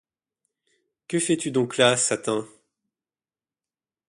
Que fais-tu donc là, Satin?